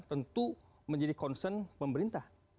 tentu menjadi concern pemerintah